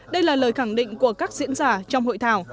đây là lời khẳng định của các diễn giả trong hội thảo